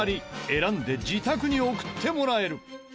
選んで自宅に送ってもらえる。